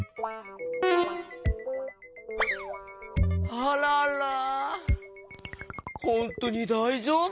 あららほんとにだいじょうぶ？